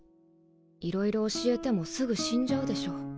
いろいろ教えてもすぐ死んじゃうでしょ